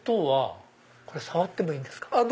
これ触ってもいいんですか？